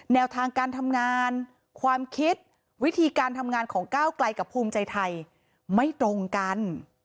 แนวทางการทำงานความคิดวิธีการทำงานของก้าวไกลกับภูมิใจไทยไม่ตรงกัน